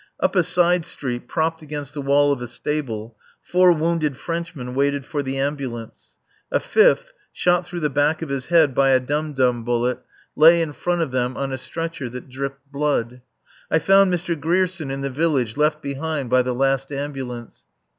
Up a side street, propped against the wall of a stable, four wounded Frenchmen waited for the ambulance. A fifth, shot through the back of his head by a dum dum bullet, lay in front of them on a stretcher that dripped blood. I found Mr. Grierson in the village, left behind by the last ambulance.